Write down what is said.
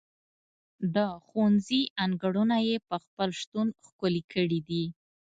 د ښوونځي انګړونه یې په خپل شتون ښکلي کړي دي.